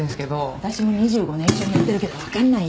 私も２５年一緒にやってるけどわかんないよ。